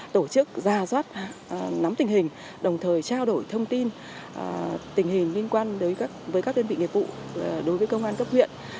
tổ chức ra doát nắm tình hình đồng thời trao đổi thông tin tình hình liên quan với các đơn vị nghiệp vụ đối với công an cấp huyện